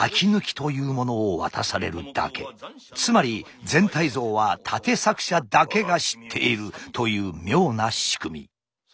つまり全体像は立作者だけが知っているという妙な仕組み。